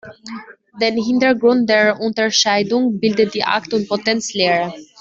Den Hintergrund der Unterscheidung bildet die Akt und Potenz-Lehre.